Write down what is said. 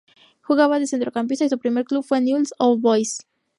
Jugaba de centrocampista y su primer club fue Newell's Old Boys.